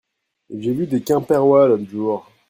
J'ai vu des Quimpérois l'autre jour.